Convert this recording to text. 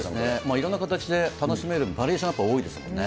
いろんな形で楽しめる、バリエーションが多いですもんね。